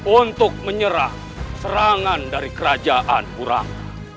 untuk menyerah serangan dari kerajaan urah